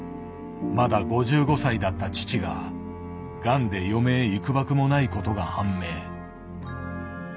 まだ５５歳だった父ががんで余命いくばくもないことが判明。